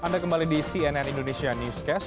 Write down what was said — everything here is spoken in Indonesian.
anda kembali di cnn indonesia newscast